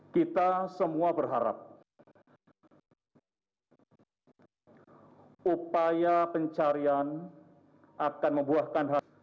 kita semua berharap upaya pencarian akan membuahkan hasil